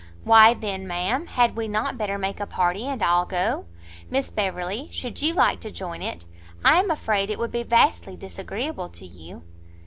"Why then, ma'am; had we not better make a party, and all go? Miss Beverley, should you like to join it? I am afraid it would be vastly disagreeable to you."